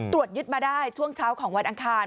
ตรวจยึดมาได้ช่วงเช้าของวันอังคาร